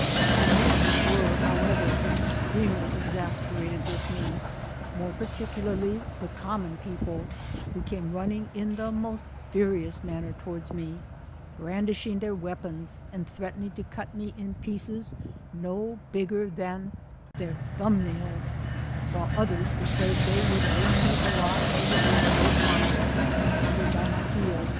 The men were however, extremely exasperated with me, more parlicularly the common people, who came rnnning in the most furious manner towards me, brandishing their weapons, and threatening to cut me in pieces no bigger than their thumb nails, while others declared they vrould burn me alive o ver a slow fire, suspended by my heeh.